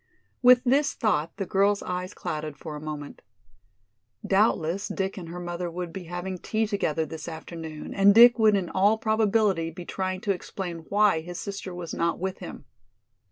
With this thought the girl's eyes clouded for a moment. Doubtless Dick and her mother would be having tea together this afternoon and Dick would in all probability be trying to explain why his sister was not with him.